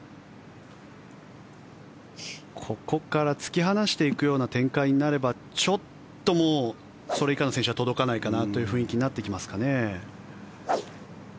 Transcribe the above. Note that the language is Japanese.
ここから突き放していくような展開になればちょっともう、それ以下の選手は届かないかなという雰囲気になってきますかね。